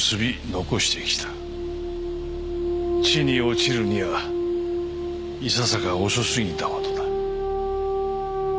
地に落ちるにはいささか遅すぎたほどだ。